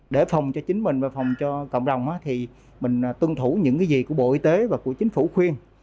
để phòng cho chính mình và phòng cho cộng đồng thì mình tuân thủ những cái gì của bộ y tế và của chính phủ khuyên